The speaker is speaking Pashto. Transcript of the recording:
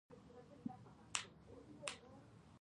دوی پوهېدل چې د دین دفاع په دلیل پکار ده.